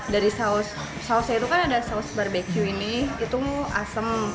dari sausnya itu kan ada saus barbeque ini itu asem